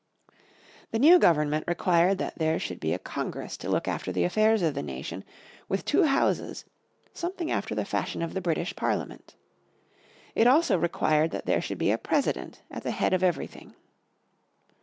The new government required that there should be a Congress to look after the affairs of the nation, with two houses, something after the fashion of the British Parliament. It also required that there should be a President at the head of everything.